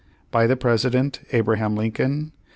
"By the President: ABRAHAM LINCOLN.